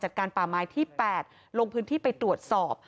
การป่าไม้ที่๘ลงพื้นที่ไปตรวจสอบ